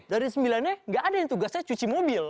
dari sembilannya enggak ada yang tugasnya cuci mobil